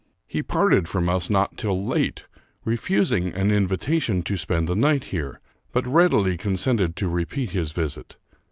He parted from us not till late, refusing an invitation to spend the night here, but readily consented to repeat his visit.